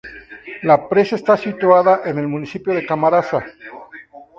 La presa está situada en el municipio de Camarasa.